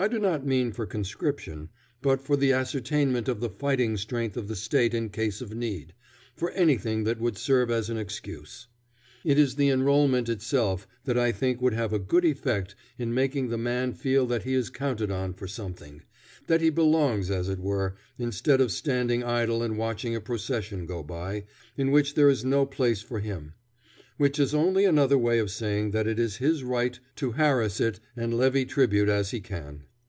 I do not mean for conscription, but for the ascertainment of the fighting strength of the State in case of need for anything that would serve as an excuse. It is the enrolment itself that I think would have a good effect in making the man feel that he is counted on for something; that he belongs as it were, instead of standing idle and watching a procession go by, in which there is no place for him; which is only another way of saying that it is his right to harass it and levy tribute as he can.